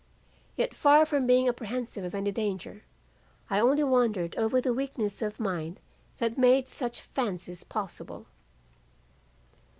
Yet far from being apprehensive of any danger, I only wondered over the weakness of mind that made such fancies possible.